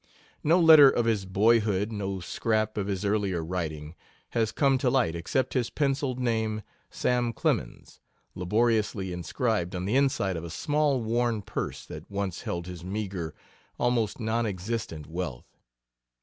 No letter of his boyhood, no scrap of his earlier writing, has come to light except his penciled name, SAM CLEMENS, laboriously inscribed on the inside of a small worn purse that once held his meager, almost non existent wealth.